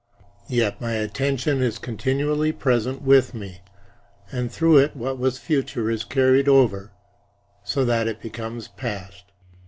Yet my attention is continually present with me, and through it what was future is carried over so that it becomes past.